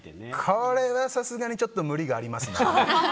これはさすがにちょっと無理がありますね。